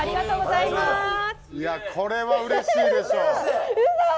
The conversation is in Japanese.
いやこれはうれしいでしょ。